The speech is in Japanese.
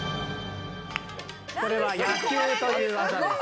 これは野球という技です。